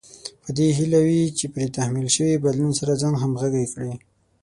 په دې هيله وي چې پرې تحمیل شوي بدلون سره ځان همغږی کړي.